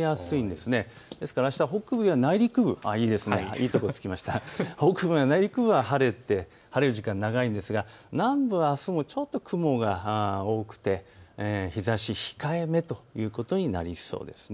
ですからあすは北部や内陸部は晴れる時間が長いんですが南部はあすもちょっと雲が多くて日ざしが控えめということになりそうです。